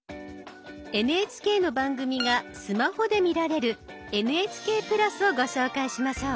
ＮＨＫの番組がスマホで見られる「ＮＨＫプラス」をご紹介しましょう。